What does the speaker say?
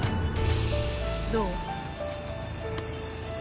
どう？